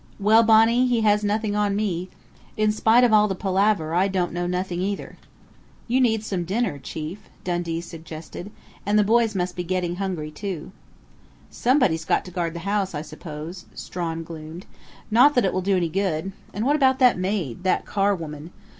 "Well, Bonnie, he has nothing on me. In spite of all the palaver I don't know nothing either." "You need some dinner, chief," Dundee suggested. "And the boys must be getting hungry, too." "Somebody's got to guard the house, I suppose," Strawn gloomed. "Not that it will do any good.... And what about that maid that Carr woman?